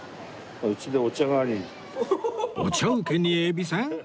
お茶請けにえびせん？